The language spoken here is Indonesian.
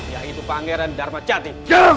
yaitu pangeran dharmajati